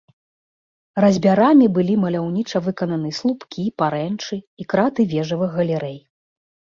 Разьбярамі былі маляўніча выкананы слупкі, парэнчы і краты вежавых галерэй.